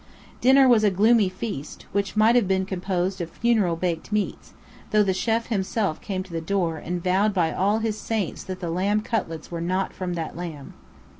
Dinner was a gloomy feast, which might have been composed of funeral baked meats, though the chêf himself came to the door and vowed by all his saints that the lamb cutlets were not from that lamb.